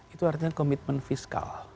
itu artinya komitmen fiskal